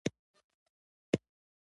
محصله قوه د لویې قوې جهت لري.